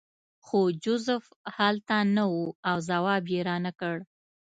خو جوزف هلته نه و او ځواب یې رانکړ